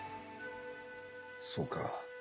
そうか。